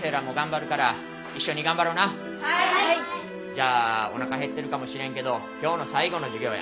じゃあおなか減ってるかもしれんけど今日の最後の授業や。